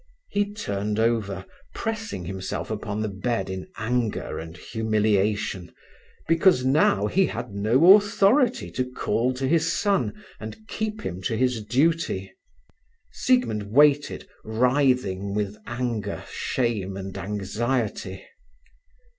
He turned over, pressing himself upon the bed in anger and humiliation, because now he had no authority to call to his son and keep him to his duty. Siegmund waited, writhing with anger, shame, and anxiety.